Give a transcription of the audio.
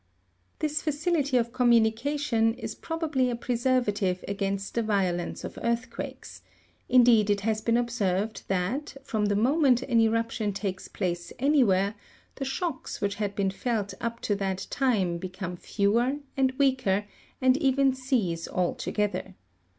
This facility of communication is probably a preservative against the vi'o lence of earthquakes ; indeed it has been observed that, from the moment an eruption takes place anywhere, the shocks which had been felt up to that time, become fewer and weaker, and even cease altogether.